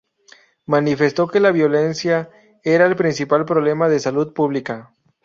Manifestó que la violencia era el principal problema de salud pública.